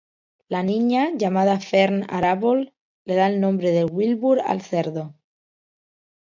La niña, llamada Fern Arable, le da el nombre de Wilbur al cerdo.